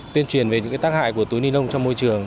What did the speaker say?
tuyên truyền về những tác hại của túi ni lông trong môi trường